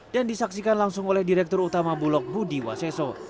dan disaksikan langsung oleh direktur utama bulog budi waseso